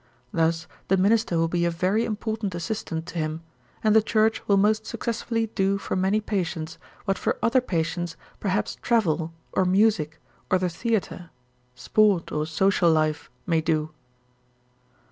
Thus the minister will be a very important assistant to him and the church will most successfully do for many patients what for other patients perhaps travel or music or the theatre, sport or social life, may do.